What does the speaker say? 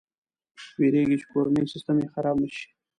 ویرېږي چې کورنی سیسټم یې خراب نه شي.